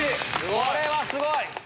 これはすごい。